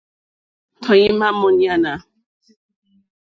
Tɔ̀ímá mǃúɲánà.